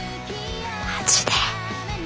マジで？